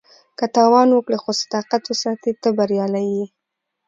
که تاوان وکړې خو صداقت وساتې، ته بریالی یې.